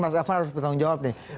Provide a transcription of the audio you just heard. mas afan harus bertanggung jawab nih